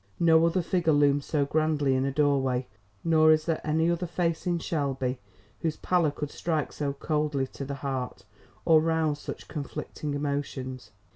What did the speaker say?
No other figure looms so grandly in a doorway, nor is there any other face in Shelby whose pallor could strike so coldly to the heart, or rouse such conflicting emotions.